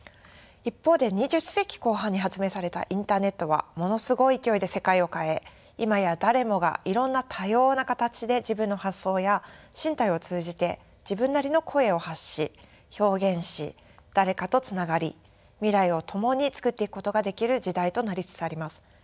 一方で２０世紀後半に発明されたインターネットはものすごい勢いで世界を変え今や誰もがいろんな多様な形で自分の発想や身体を通じて自分なりの声を発し表現し誰かとつながり未来を共に創っていくことができる時代となりつつあります。